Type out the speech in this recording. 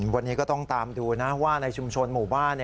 วันนี้ก็ต้องตามดูนะว่าในชุมชนหมู่บ้าน